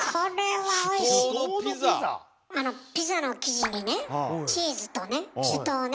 ピザの生地にねチーズとね酒盗ね。